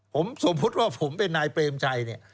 ผมสมมุติว่าผมเป็นนายเปรมชัยเนี่ย